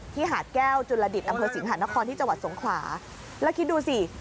หาดแก้วจุลดิตอำเภอสิงหานครที่จังหวัดสงขลาแล้วคิดดูสิ